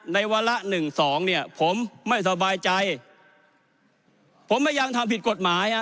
วาระหนึ่งสองเนี่ยผมไม่สบายใจผมพยายามทำผิดกฎหมายฮะ